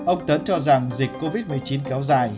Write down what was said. ông tấn cho rằng dịch covid một mươi chín kéo dài